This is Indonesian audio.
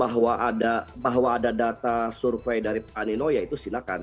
bahwa ada data survei dari pak nino ya itu silakan